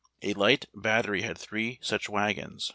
A light battery had three such wagons.